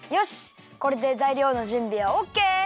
これでざいりょうのじゅんびはオッケー！